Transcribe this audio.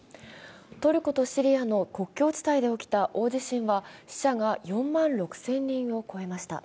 トルコとシリアの国境地帯で起きた大地震は死者が４万６０００人を超えました。